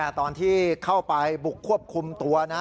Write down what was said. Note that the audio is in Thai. ตอนที่เข้าไปบุกควบคุมตัวนะ